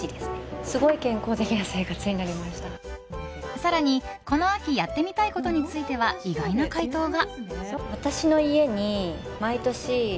更に、この秋やってみたいことについては意外な回答が。